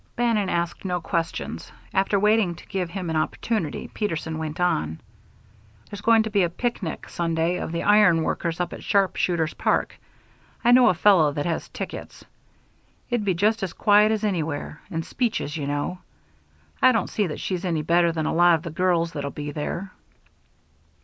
Bannon asked no questions. After waiting to give him an opportunity, Peterson went on: "There's going to be a picnic Sunday of the Iron Workers up at Sharpshooters' Park. I know a fellow that has tickets. It'd be just as quiet as anywhere and speeches, you know. I don't see that she's any better than a lot of the girls that'll be there."